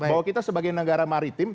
bahwa kita sebagai negara maritim